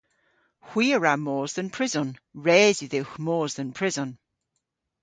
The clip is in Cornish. Hwi a wra mos dhe'n prison. Res yw dhywgh mos dhe'n prison.